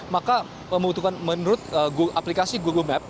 maka membutuhkan menurut aplikasi google map